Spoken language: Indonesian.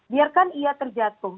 biarkan ia terjatuh